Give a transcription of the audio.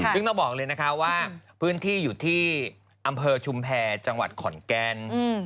ซึ่งต้องบอกเลยนะคะว่าพื้นที่อยู่ที่อำเภอชุมแพรจังหวัดขอนแกน